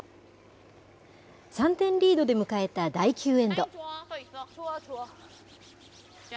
３点リードで迎えた第９エンド。